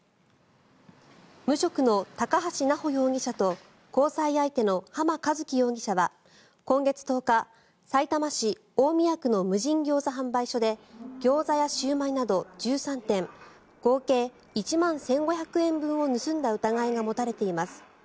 無職の高橋直穂容疑者と交際相手の濱一輝容疑者は今月１０日、さいたま市大宮区の無人ギョーザ販売所でギョーザやシューマイなど１３点合計１万１５００円分を盗んだ疑いが持たれています。